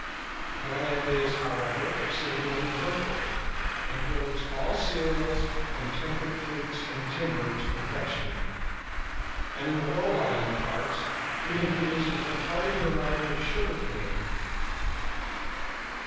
The land is, however, exceedingly fertile, and grows all cereals and temperate fruits and timber to perfection; and in the lower lying parts even produces a hardy variety of sugar cane.